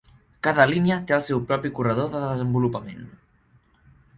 Cada línia té el seu propi corredor de desenvolupament.